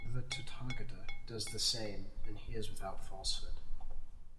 The Tathagata does the same, and he is without falsehood.